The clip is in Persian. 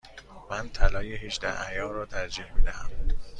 من طلای هجده عیار را ترجیح می دهم.